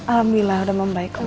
alhamdulillah udah membaik mama